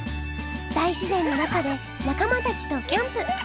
大自然の中で仲間たちとキャンプ。